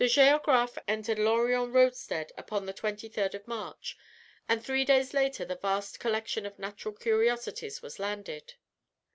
] The Géographe entered Lorient roadstead upon the 23rd of March, and three days later the vast collection of natural curiosities was landed.